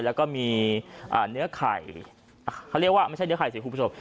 แล้วก็มีเนื้อไข่เขาเรียกว่าไม่ใช่เนื้อไข่สิคุณผู้ชม